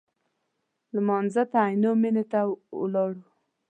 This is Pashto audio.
لمانځه ته عینومېنې ته ولاړو.